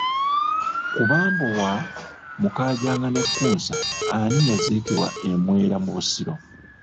Ku Bambowa Mukaajanga ne Kkunsa ani eyaziikibwa e Mwera mu Busiro?